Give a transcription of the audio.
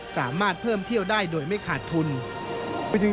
สามารถเพิ่มเที่ยวได้โดยไม่ขาดทุน